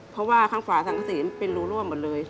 เพราะว่าข้างฝาสังศีลเป็นรูร่วมหมดเลย